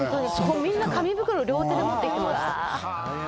みんな、紙袋を両手で持ってきてました。